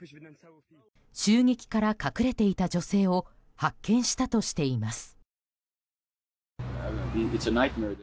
襲撃から隠れていた女性を発見したとしています。